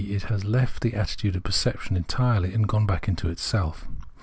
it has left the attitude of perception entirely and gone back into itself.